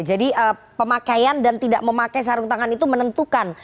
jadi pemakaian dan tidak memakai sarung tangan itu menentukan